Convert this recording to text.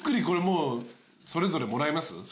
これもうそれぞれもらいます？